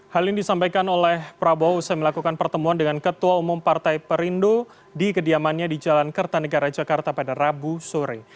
hal ini disampaikan oleh prabowo usai melakukan pertemuan dengan ketua umum partai perindo di kediamannya di jalan kertanegara jakarta pada rabu sore